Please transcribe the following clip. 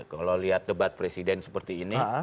kalau lihat debat presiden seperti ini